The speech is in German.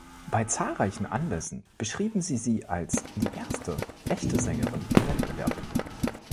Bei zahlreichen Anlässen beschrieben sie sie als „die erste „echte“ Sängerin im Wettbewerb“.